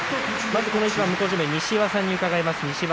まず、この一番向正面の西岩さんに伺います。